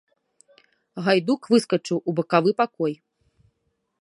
Гайдук выскачыў у бакавы пакой.